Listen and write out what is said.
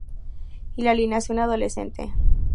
Y la alineación adolescente.